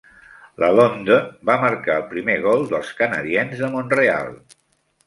Lalonde va marcar el primer gol dels Canadiens de Mont-real.